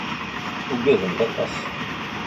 Ugadent aṭas.